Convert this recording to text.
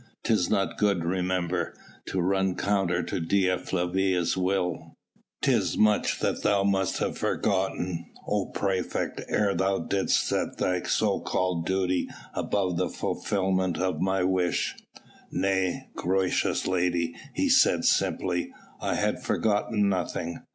'Tis not good, remember, to run counter to Dea Flavia's will. 'Tis much that thou must have forgotten, O praefect, ere thou didst set thy so called duty above the fulfilment of my wish." "Nay, gracious lady," he said simply, "I had forgotten nothing.